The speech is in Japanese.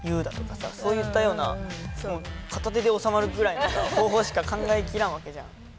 そういったような片手で収まるぐらいの方法しか考え切らんわけじゃん。